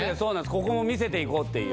ここも見せていこうっていう。